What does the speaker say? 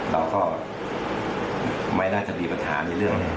เราก็ไม่น่าจะมีปัญหาในเรื่อง